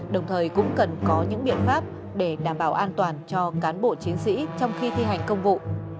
đồng thời cũng cần có những biện pháp để đảm bảo an toàn cho cán bộ chiến sĩ trong khi thi hành công vụ